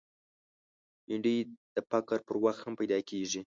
بېنډۍ د فقر پر وخت هم پیدا کېږي